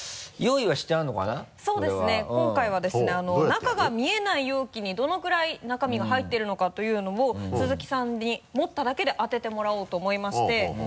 中が見えない容器にどのくらい中身が入っているのかというのを鈴木さんに持っただけで当ててもらおうと思いまして。